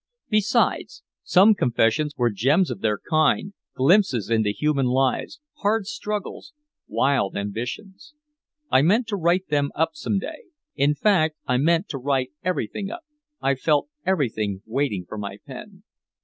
Besides, some confessions were gems of their kind, glimpses into human lives, hard struggles, wild ambitions. I meant to write them up some day. In fact, I meant to write everything up, I felt everything waiting for my pen.